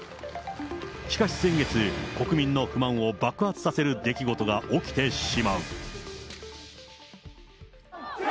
しかし先月、国民の不満を爆発させる出来事が起きてしまう。